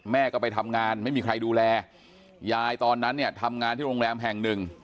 แม่ก็ไปทำงานไม่มีใครดูแลยายตอนนั้นเนี่ยทำงานที่โรงแรมแห่งหนึ่ง